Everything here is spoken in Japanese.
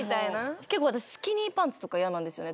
結構私スキニーパンツとか嫌なんですよね